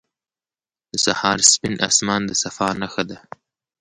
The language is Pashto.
• د سهار سپین آسمان د صفا نښه ده.